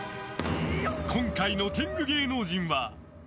今回の天狗芸能人は。